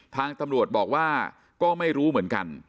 ทางตำรวจบอกว่าก็ไม่รู้เหมือนกัน